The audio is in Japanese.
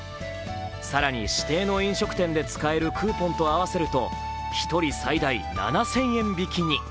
更に指定の飲食店で使えるクーポンと合わせると１人最大７０００円引きに。